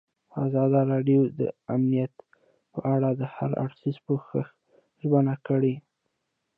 ازادي راډیو د امنیت په اړه د هر اړخیز پوښښ ژمنه کړې.